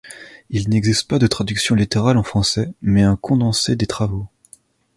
Il n'existe pas de traduction littérale en français, mais un condensé des travaux.